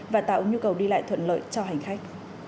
và tạo nhu cầu đi lại thuận lợi cho hành khách